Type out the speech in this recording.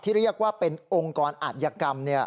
เรียกว่าเป็นองค์กรอาธิกรรม